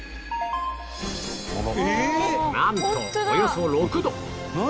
なんとおよそ６度何？